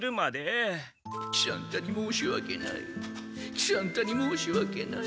喜三太にもうしわけない。